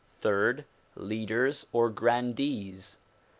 Third, leaders or grandees.